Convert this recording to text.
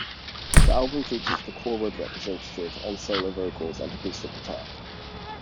The album features the Corwood Representative on solo vocals and acoustic guitar.